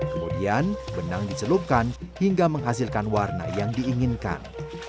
kemudian benang dicelupkan hingga menghasilkan warna yang diinginkan